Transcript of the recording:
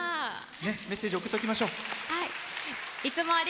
メッセージ、送っておきましょう。